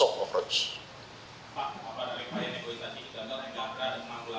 pak apa dari pernyataan negosiasi tidak menanggulangan